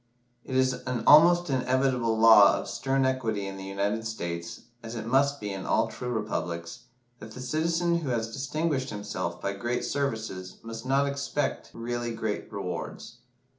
It is an almost invariable law of stern equity in the United States, as it must be in all true republics, that the citizen who has distinguished himself by great services must not expect really great rewards.